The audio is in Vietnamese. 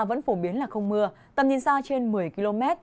vẫn phổ biến là không mưa tầm nhìn xa trên một mươi km